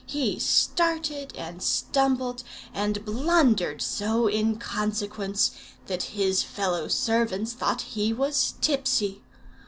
He started and stumbled and blundered so in consequence, that his fellow servants thought he was tipsy.